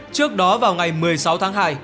trước đó vào ngày một mươi sáu tháng hai